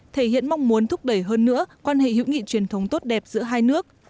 thúc đẩy hơn nữa quan hệ hữu nghị truyền thống tốt đẹp giữa hai nước